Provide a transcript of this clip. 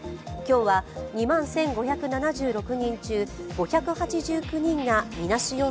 今日は２万１５７６人中、５８９人がみなし